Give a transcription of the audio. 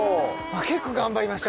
結構頑張りました